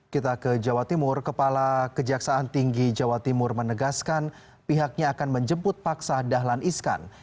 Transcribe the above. kita ke jawa timur kepala kejaksaan tinggi jawa timur menegaskan pihaknya akan menjemput paksa dahlan iskan